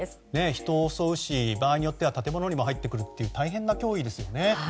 人を襲うし場合によっては建物にも入ってくる大変な脅威ですよね。